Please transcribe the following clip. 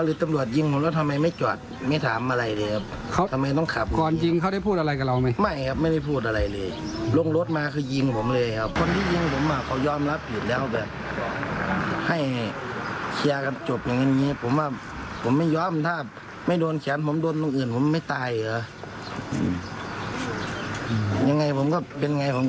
อืมยังไงผมก็เป็นไงผมก็จะดำเนียนการอย่างเงี้ยครับ